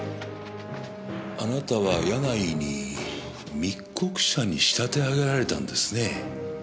あなたは柳井に密告者に仕立て上げられたんですね。